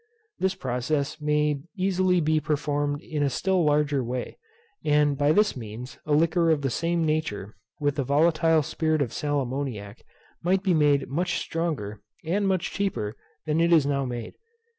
This process may easily be performed in a still larger way; and by this means a liquor of the same nature with the volatile spirit of sal ammoniac, might be made much stronger, and much cheaper, than it is now made.